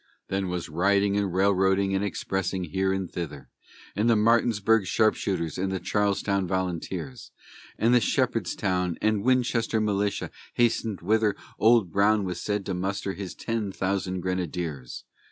Then was riding and railroading and expressing here and thither; And the Martinsburg Sharpshooters and the Charlestown Volunteers, And the Shepherdstown and Winchester militia hastened whither Old Brown was said to muster his ten thousand grenadiers.